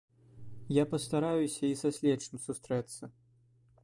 Я пастараюся і са следчым сустрэцца.